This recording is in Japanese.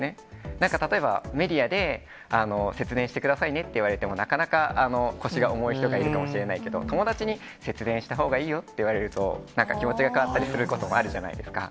なんか例えばメディアで、節電してくださいねって言われても、なかなか腰が重い人がいるかもしれないけど、友達に、節電したほうがいいよって言われると、なんか気持ちが変わったりすることもあるじゃないですか。